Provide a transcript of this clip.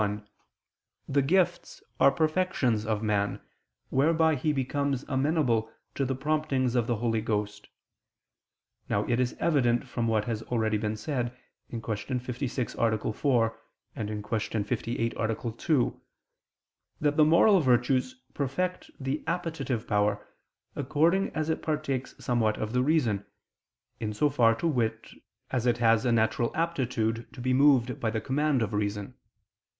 1), the gifts are perfections of man, whereby he becomes amenable to the promptings of the Holy Ghost. Now it is evident from what has been already said (Q. 56, A. 4; Q. 58, A. 2), that the moral virtues perfect the appetitive power according as it partakes somewhat of the reason, in so far, to wit, as it has a natural aptitude to be moved by the command of reason.